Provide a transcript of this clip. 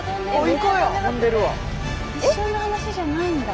一瞬の話じゃないんだ。